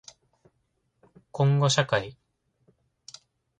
こんごしゃかい